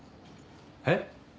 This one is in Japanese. えっ？